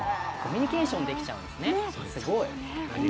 コミュニケーションできちゃうんですね。